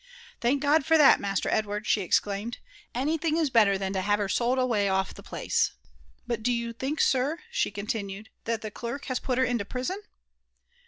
''Thank God for that. Master Edward I" she exclaimed. ''Any thing is better than to have her sold away off the place. — ^But do yoil think, sir," she continued, *' that the clerk has put her into prison?"